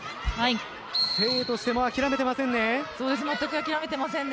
誠英としても諦めてませんね。